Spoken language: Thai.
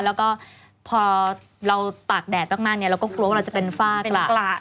แล้วก็พอเราตากแดดมากเนี่ยเราก็กลัวว่าเราจะเป็นฝ้า